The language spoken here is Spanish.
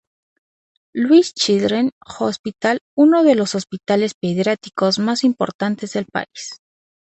Louis Children's Hospital, uno de los hospitales pediátricos más importantes del país.